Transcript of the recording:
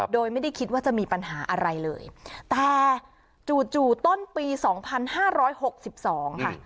โดยไม่ได้คิดว่าจะมีปัญหาอะไรเลยแต่จู่ต้นปีสองพันห้าร้อยหกสิบสองค่ะ